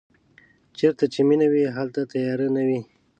چېرته چې مینه وي هلته تیارې نه وي.